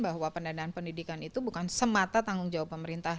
bahwa pendanaan pendidikan itu bukan semata tanggung jawab pemerintah